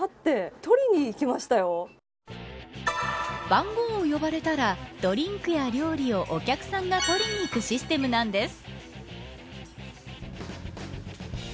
番号を呼ばれたらドリンクや料理をお客さんが取りにいくシステムなんです。